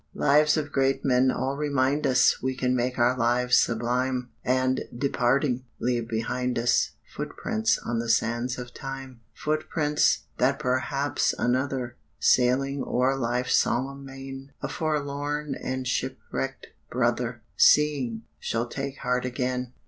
Lives of great men all remind us We can make our lives sublime, And, departing, leave behind us Footprints on the sands of time; Footprints, that perhaps another, Sailing o'er life's solemn main, A forlorn and shipwrecked brother, Seeing, shall take heart again.